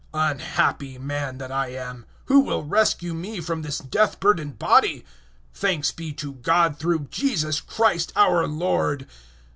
007:024 (Unhappy man that I am! who will rescue me from this death burdened body? 007:025 Thanks be to God through Jesus Christ our Lord!)